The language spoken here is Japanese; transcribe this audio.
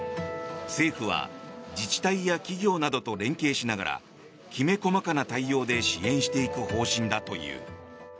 政府は自治体や企業などと連携しながらきめ細かな対応で支援していく方針だという。